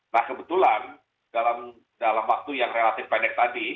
nah kebetulan dalam waktu yang relatif pendek tadi